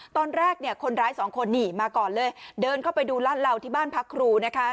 ตอนแรกเนี่ยคนร้ายสองคนนี่มาก่อนเลยเดินเข้าไปดูลาดเหล่าที่บ้านพักครูนะคะ